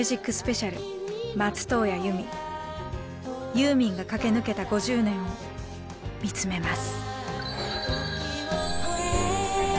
ユーミンが駆け抜けた５０年を見つめます。